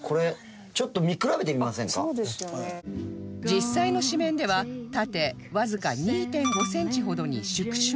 実際の紙面では縦わずか ２．５ センチほどに縮小